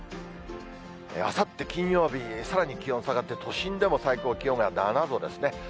あさって金曜日、さらに気温下がって、都心でも最高気温が７度ですね。